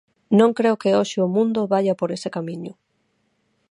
Non creo que hoxe o mundo vaia por ese camiño.